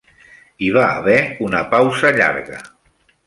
Hi va haver una pausa llarga.